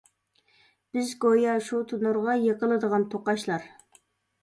بىز گويا شۇ تونۇرغا، يېقىلىدىغان توقاچلار.